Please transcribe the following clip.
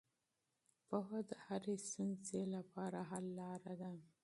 پوهه د هرې ستونزې لپاره حل لاره ده.